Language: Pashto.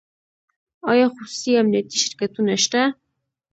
آیا خصوصي امنیتي شرکتونه شته؟